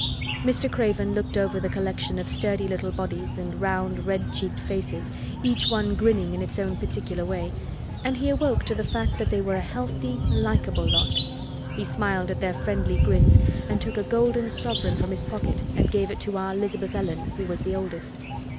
Mr. Craven looked over the collection of sturdy little bodies and round red cheeked faces, each one grinning in its own particular way, and he awoke to the fact that they were a healthy likable lot. He smiled at their friendly grins and took a golden sovereign from his pocket and gave it to "our 'Lizabeth Ellen" who was the oldest.